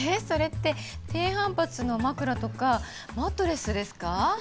それって低反発の枕とかマットレスですか？